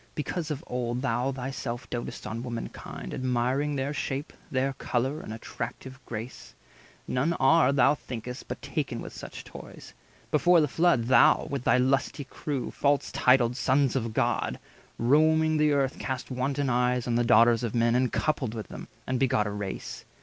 Because of old Thou thyself doat'st on womankind, admiring Their shape, their colour, and attractive grace, None are, thou think'st, but taken with such toys. Before the Flood, thou, with thy lusty crew, False titled Sons of God, roaming the Earth, Cast wanton eyes on the daughters of men, 180 And coupled with them, and begot a race.